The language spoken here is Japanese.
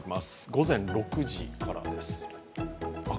午前６時からです。